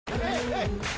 はい！